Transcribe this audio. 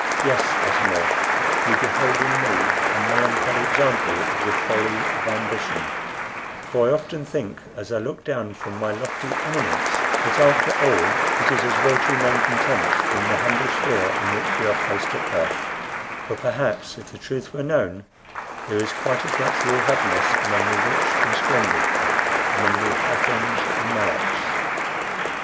Yes, Atam or, you behold in me a melancholy example of the folly of ambition; for I often think, as I look down from my lofty eminence, that after all it is as well to remain content in the humble sphere in which we are placed at birth; for perhaps, if the truth were known, there is quite as much real happiness among the rich and splendid among the Athons and Meleks."